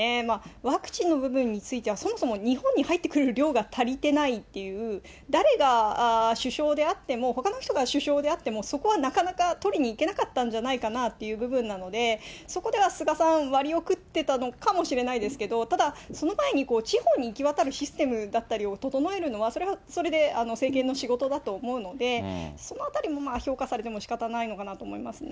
ワクチンの部分については、そもそも日本に入ってくる量が足りてないっていう、誰が首相であっても、ほかの人が首相であっても、そこはなかなか取りにいけなかったんじゃないかなっていう部分なので、そこでは菅さん、割を食ってたのかもしれないですけど、ただ、その前に地方に行き渡るシステムだったりを整えるのは、それはそれで政権の仕事だと思うので、そのあたりもまあ、評価されてもしかたないのかなと思いますね。